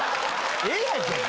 ええやんけ！